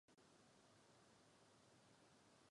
Na hranách čepele se jsou drobné hnědé chloupky.